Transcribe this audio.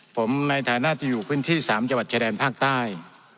ผมในฐานะที่อยู่พื้นที่๓จังหวัดชายแดนภาคใต้